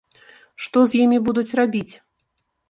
Што з імі будуць рабіць?